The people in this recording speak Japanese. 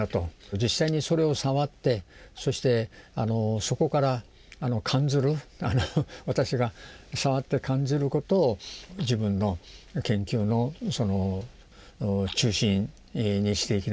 実際にそれを触ってそしてそこから感ずる私が触って感ずることを自分の研究の中心にしていきなさいと。